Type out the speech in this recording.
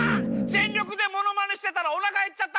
全力でものまねしてたらおなかへっちゃった！